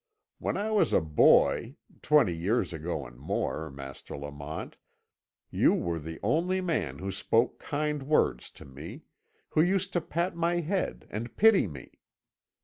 When I was a boy twenty years ago and more, Master Lamont you were the only man who spoke kind words to me, who used to pat my head and pity me.